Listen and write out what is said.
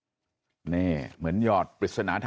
ไปพบผู้ราชการกรุงเทพมหานครอาจารย์ชาติชาติฝิทธิพันธ์นะครับ